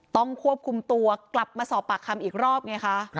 ต้องควบคุมตัวกลับมาสอบปากคำอีกรอบไงคะ